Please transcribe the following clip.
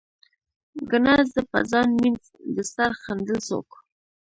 ګڼه، زه په ځان مين د سر ښندل څوک